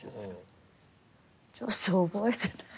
ちょっと覚えてない。